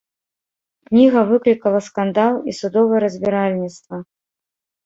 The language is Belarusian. Кніга выклікала скандал і судовае разбіральніцтва.